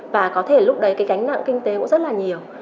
và có thể lúc đấy cái gánh nặng kinh tế cũng rất là nhiều